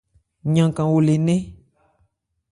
Yankan ole nɛ́n.